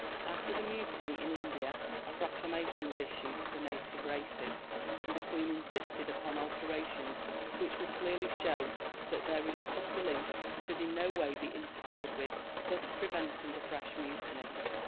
After the Mutiny in India a proclamation was issued to the native races, and the Queen insisted upon alterations which would clearly show that their religious beliefs should in no way be interfered with, thus preventing a fresh mutiny.